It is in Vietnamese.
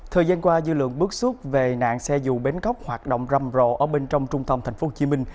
thời gian qua dư lượng bước xuất về nạn xe dù bến góc hoạt động râm rộ ở bên trong trung tâm tp hcm